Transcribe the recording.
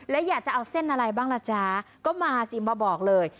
แล้วอยากจะเอาเส้นอะไรบ้างล่ะจ๊ะก็มาสิมาบอกเลย